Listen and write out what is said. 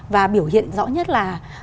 và biểu hiện rõ nhất là